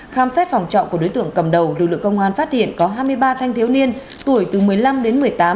khám xét phòng trọ của đối tượng cầm đầu lực lượng công an phát hiện có hai mươi ba thanh thiếu niên tuổi từ một mươi năm đến một mươi tám